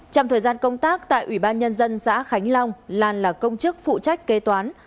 trong thời gian công tác tại ủy ban nhân dân xã khánh long lan là công chức phụ trách kế toán